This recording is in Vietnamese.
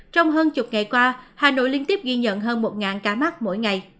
trong hơn chục ngày qua hà nội liên tiếp ghi nhận hơn một ca mắc mỗi ngày